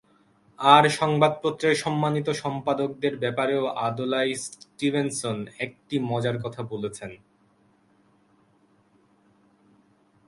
আর সংবাদপত্রের সম্মানিত সম্পাদকদের ব্যাপারেও আদলাই স্টিভেনসন একটি মজার কথা বলেছেন।